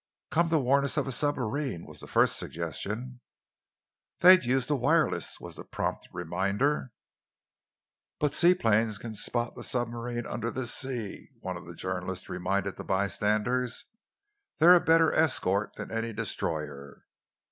"Come to warn us of a submarine," was the first suggestion. "They'd use the wireless," was the prompt reminder. "But seaplanes can spot the submarines under the sea," one of the journalists reminded the bystanders. "They're a better escort than any destroyer."